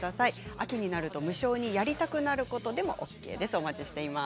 秋になると無性にやりたくなることでもＯＫです。